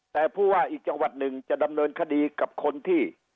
แต่ผู้ว่าอีกจังหวัดหนึ่งจะดำเนินคดีกับคนที่